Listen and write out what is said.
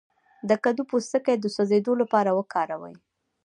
د کدو پوستکی د سوځیدو لپاره وکاروئ